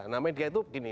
nah media itu gini